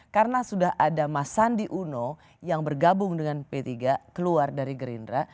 karena sudah ada mas sandi uno yang bergabung dengan p tiga keluar dari gerindra